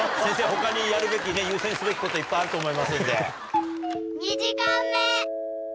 他にやるべきね優先すべきこといっぱいあると思いますんで。